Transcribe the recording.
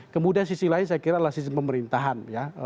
kemudian sisi lain saya kira adalah sisi pemerintahan ya